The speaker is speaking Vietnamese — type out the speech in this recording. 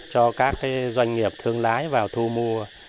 cho các doanh nghiệp thương lái vào thu mua